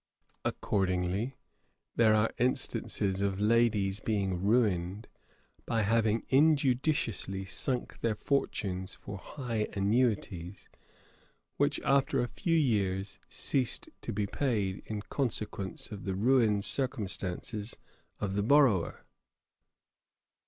Accordingly there are instances of ladies being ruined, by having injudiciously sunk their fortunes for high annuities, which, after a few years, ceased to be paid, in consequence of the ruined circumstances of the borrower.'